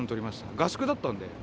合宿だったんで。